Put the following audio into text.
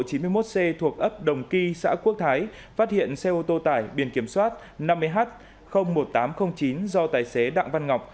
chín mươi một c thuộc ấp đồng ky xã quốc thái phát hiện xe ô tô tải biển kiểm soát năm mươi h một nghìn tám trăm linh chín do tài xế đặng văn ngọc